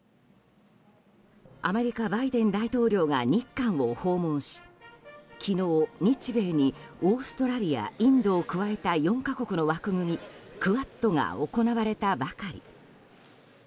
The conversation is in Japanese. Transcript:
アメリカ、バイデン大統領が日韓を訪問し昨日、日米にオーストラリアインドを加えた４か国の枠組みクアッドが行われたばかり。